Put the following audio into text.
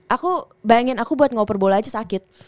aku bayangin aku buat ngoper bola aja sakit